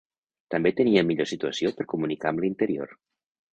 També tenia millor situació per comunicar amb l'interior.